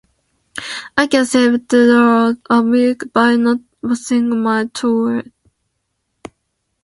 I can save two dollars a week by not washing my towel.